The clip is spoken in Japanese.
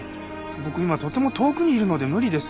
僕今とても遠くにいるので無理です。